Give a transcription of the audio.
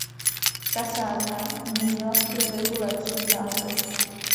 Kasárna měnila v průběhu let svůj název.